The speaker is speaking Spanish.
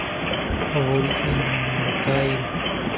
Aborigen de El Cairo.